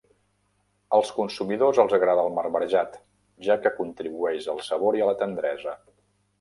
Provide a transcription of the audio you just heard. Als consumidors els agrada el marbrejat, ja que contribueix al sabor i a la tendresa.